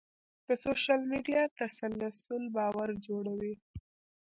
د سوشل میډیا تسلسل باور جوړوي.